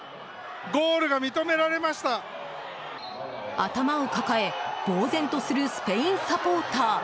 頭を抱えぼうぜんとするスペインサポーター。